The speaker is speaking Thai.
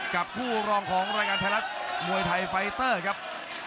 กับผู้เหล่องแรงอันใช้ประหลาดมวยไทยไฟเตอร์ครับ